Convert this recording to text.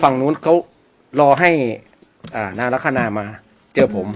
ฝั่งนู้นเขารอให้นางลักษณะมาเจอผม